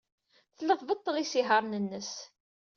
Tella tbeṭṭel isihaṛen-nnes.